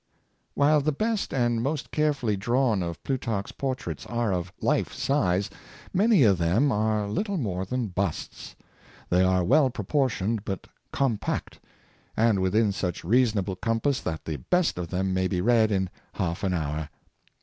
While the best and most carefully drawn of Plu tarch's portraits are of life size, many of them are little more than busts. They are well proportioned but com pact, and within such reasonable compass that the best of them may be read in half an hour.